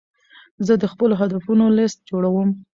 زه د خپلو هدفونو لیست جوړوم.